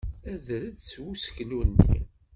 Ader-d seg useklu-nni!